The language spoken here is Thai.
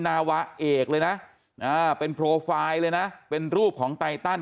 นาวะเอกเลยนะเป็นโปรไฟล์เลยนะเป็นรูปของไตตัน